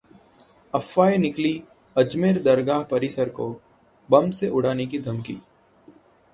अफवाह निकली अजमेर दरगाह परिसर को बम से उड़ाने की धमकी